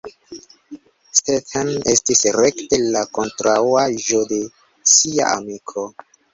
Stetten estis rekte la kontraŭaĵo de sia amiko.